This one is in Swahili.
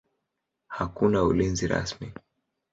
Hakuna ulinzi rasmi.